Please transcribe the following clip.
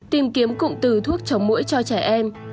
tìm kiếm cụm từ thuốc chống mũi cho trẻ em